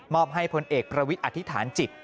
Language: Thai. อบให้พลเอกประวิทย์อธิษฐานจิต